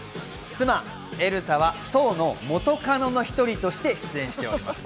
妻・エルサはソーの元カノの１人として出演しております。